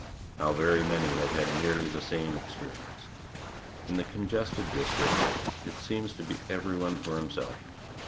How very many have had nearly the same experience. In the congested districts it seems to be everyone for himself.